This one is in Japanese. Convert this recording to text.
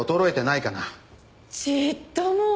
ちっとも。